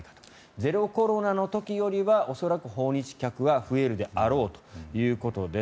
ゼロコロナの時よりは恐らく訪日客は増えるであろうということです。